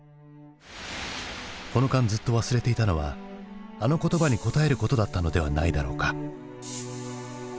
この間ずっと忘れていたのはあの言葉に応えることだったのではないだろうか？